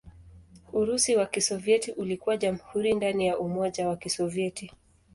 Urusi wa Kisovyeti ulikuwa jamhuri ndani ya Umoja wa Kisovyeti.